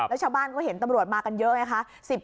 แล้วชาวบ้านก็เห็นตำรวจมากันเยอะไงคะ